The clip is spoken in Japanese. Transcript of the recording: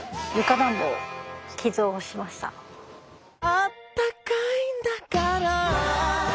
「あったかいんだからぁ」